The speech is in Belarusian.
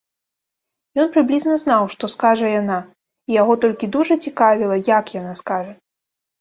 Ён прыблізна знаў, што скажа яна, і яго толькі дужа цікавіла, як яна скажа.